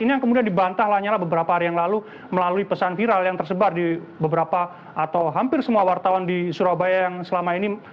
ini yang kemudian dibantah lanyala beberapa hari yang lalu melalui pesan viral yang tersebar di beberapa atau hampir semua wartawan di surabaya yang selama ini